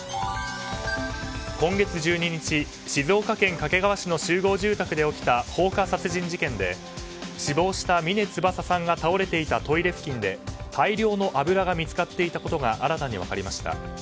今月１２日、静岡県掛川市の集合住宅で起きた放火殺人事件で死亡した峰翼さんが倒れていたトイレ付近で、大量の油が見つかっていたことが新たに分かりました。